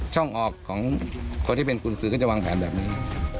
ช่องออกของคนที่เป็นกุญสือก็จะวางแผนแบบนี้